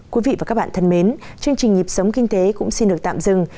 quý vị và các bạn thân mến chương trình nhịp sống kinh tế cũng xin được tạm dừng